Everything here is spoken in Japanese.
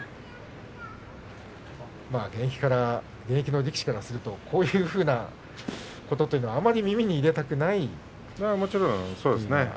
現役の力士からするとこういうようなことというのはあまり耳に入れたくないですね。